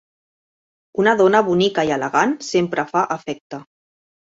Una dona bonica i elegant sempre fa efecte.